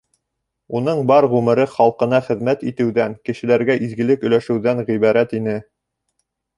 Уның бар ғүмере халҡына хеҙмәт итеүҙән, кешеләргә изгелек өләшеүҙән ғибәрәт ине.